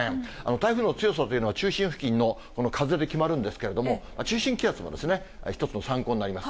台風の強さというのは、中心付近の風で決まるんですけれども、中心気圧は一つの参考になります。